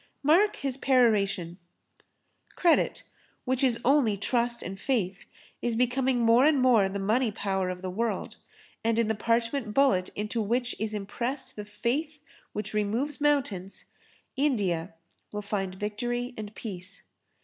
Mark his peroration: "Credit, which is only Trust and Faith, is becoming more and more the money power of the world, and in the parchment bullet into which is impressed the faith which removes mountains, India will find victory and peace."